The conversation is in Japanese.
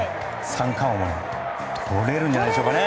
三冠王とれるんじゃないでしょうかね。